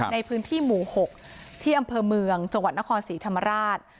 ในพื้นที่หมู่๖ที่อำเภอเมืองจังหวัดนครศรีธรรมราช